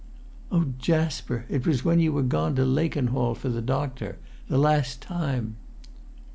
"Oh, Jasper, it was when you were gone to Lakenhall for the doctor—that last time!"